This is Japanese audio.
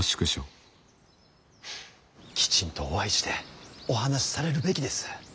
きちんとお会いしてお話しされるべきです。